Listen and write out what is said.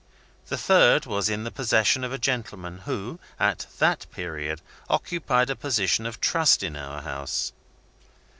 The third was in the possession of a gentleman who, at that period, occupied a position of trust in our house.